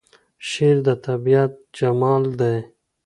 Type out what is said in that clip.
شعر د طبیعت جمال دی.